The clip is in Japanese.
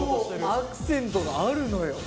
アクセントがあるのよ。